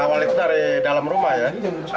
awal itu dari dalam rumah ya